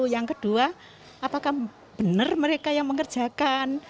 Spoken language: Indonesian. yang kedua apakah benar mereka yang mengerjakan